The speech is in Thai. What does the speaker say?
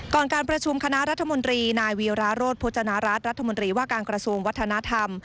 การประชุมคณะรัฐมนตรีนายวีราโรธพจนารัฐรัฐมนตรีว่าการกระทรวงวัฒนธรรม